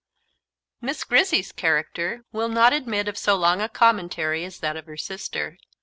Miss Grizzy's character will not admit of so long a commentary as that of her sister.